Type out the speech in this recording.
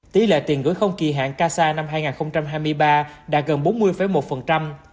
tỷ lệ tiền gửi không kỳ hạn casa năm hai nghìn hai mươi ba đạt gần bốn mươi một